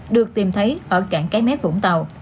được tìm thấy ở cảng cái mét vũng tàu